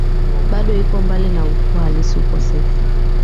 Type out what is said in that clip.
bado iko mbali na ukuu halisi Ukosefu